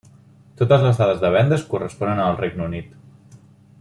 Totes les dades de vendes corresponen al Regne Unit.